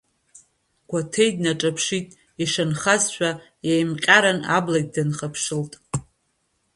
Гәаҭеи днаҿаԥшит, ишанхазшәа, еимҟьаран аблагь дынхыԥшылт.